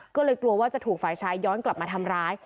ก็เลยกลัวว่าจะถูกฝ่ายชายย้อนกลับมาทำร้าย